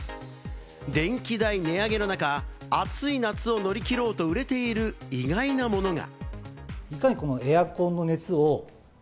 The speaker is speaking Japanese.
電気代値上げの中、暑い夏を乗り切ろうと売れている意外なものが。